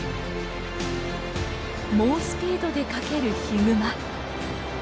猛スピードで駆けるヒグマ。